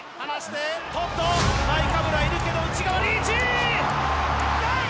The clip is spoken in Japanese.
トッドナイカブラいるけど内側リーチ！